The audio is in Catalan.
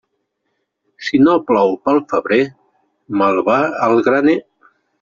Si no plou pel febrer, mal va el graner.